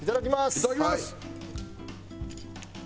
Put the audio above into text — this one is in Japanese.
いただきます。